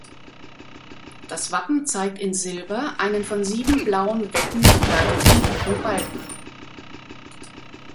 Das Wappen zeigt in Silber einen von sieben blauen Wecken begleiteten roten Balken.